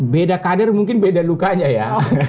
beda kader mungkin beda lukanya ya